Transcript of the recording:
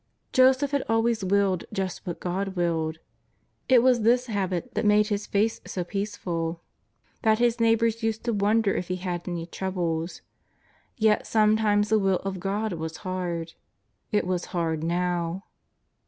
Joseph had always willed just what God willed. It was this habit that made his face so peaceful that JESUS OF K^AZARETH. 101 his neighbours used to wonder if he had any troubles. Yet sometimes the Will of God was hard. It was hard now.